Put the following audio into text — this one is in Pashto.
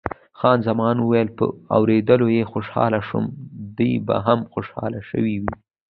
خان زمان وویل، په اورېدلو یې خوشاله شوم، دی به هم خوشاله شوی وي.